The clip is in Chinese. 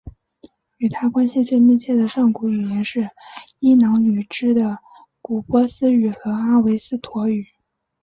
与它关系最密切的上古语言是伊朗语支的古波斯语和阿维斯陀语。